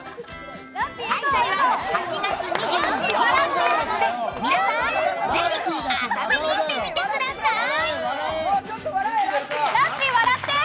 開催は８月２１日までなので皆さん是非遊びに行ってみてください。